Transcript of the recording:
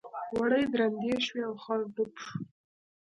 وړۍ درندې شوې او خر ډوب شو.